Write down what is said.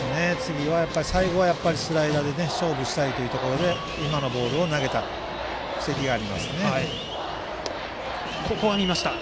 最後はスライダーで勝負したいというところで今のボールを投げたという布石がありますね。